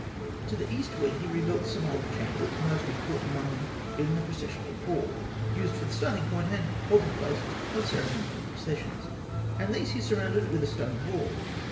To the eastward, he rebuilt some old chambers, the most important among them being the processional hall, used for the starting point and halting place of ceremonial processions, and these he surrounded with a stone wall.